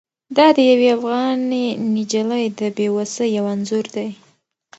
دا د یوې افغانې نجلۍ د بې وسۍ یو انځور دی.